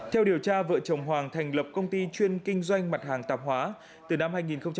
theo điều tra vợ chồng hoàng thành lập công ty chuyên kinh doanh mặt hàng tạp hóa từ năm hai nghìn một mươi